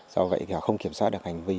do vậy thì họ không kiểm soát được hành vi